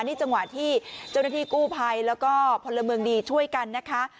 นี่จังหวะที่เจ้าหน้าที่กู้ภัยแล้วก็พลเมืองดีช่วยกันนะคะ